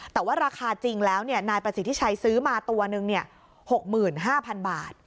แต่ว่าราคาจริงแล้วนายประสิทธิชัยซื้อมาตัวหนึ่ง๖๕๐๐๐บาท